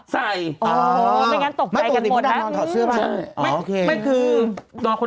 เดี๋ยวดู